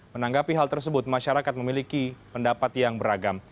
menanggapi hal tersebut masyarakat memiliki pendapat yang beragam